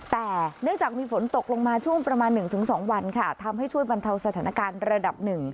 แต่เนื่องจากมีฝนตกลงมาช่วงประมาณ๑๒วันค่ะทำให้ช่วยบรรเทาสถานการณ์ระดับหนึ่ง